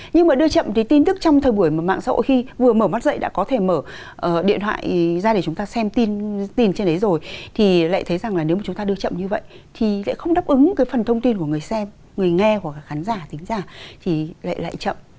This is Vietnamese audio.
nhưng mà đưa chậm thì tin tức trong thời buổi mà mạng xã hội khi vừa mở mắt dậy đã có thể mở điện thoại ra để chúng ta xem tin trên đấy rồi thì lại thấy rằng là nếu mà chúng ta đưa chậm như vậy thì lại không đáp ứng cái phần thông tin của người xem người nghe của khán giả tính giả thì lại chậm